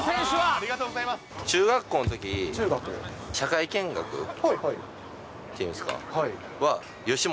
中学校のとき、社会見学っていうんですか、吉本？